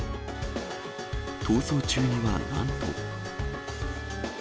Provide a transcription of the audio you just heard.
逃走中にはなんと。